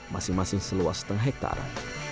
masing masing seluas setengah hektare